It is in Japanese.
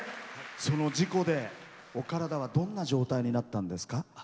その事故でお体はどんな状態になったんですか。